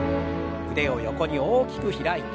腕を横に大きく開いて。